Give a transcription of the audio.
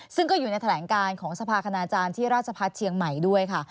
ซึ่งก็อยู่ในแถลงการของสภาคณาจารย์ที่ราชพัฒน์เชียงใหม่ด้วยค่ะ